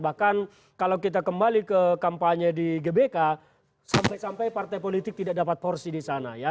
bahkan kalau kita kembali ke kampanye di gbk sampai sampai partai politik tidak dapat porsi di sana ya